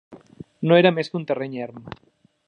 No era més que un terreny erm.